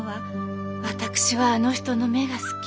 私はあの人の目が好き。